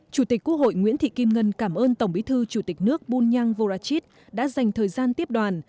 chủ tịch quốc hội nguyễn thị kim ngân cảm ơn tổng bí thư chủ tịch nước bunyang vorachit đã dành thời gian tiếp đoàn